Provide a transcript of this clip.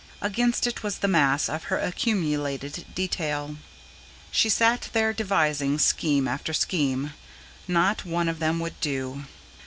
Against it was the mass of her accumulated detail. She sat there, devising scheme after scheme. Not one of them would do.